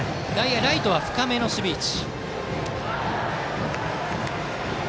ライトは深めの守備位置。